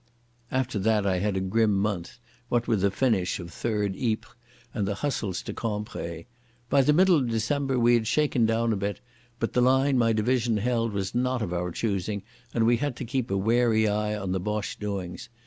After that I had a grim month, what with the finish of Third Ypres and the hustles to Cambrai. By the middle of December we had shaken down a bit, but the line my division held was not of our choosing, and we had to keep a wary eye on the Boche doings.